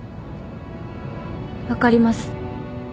分かります。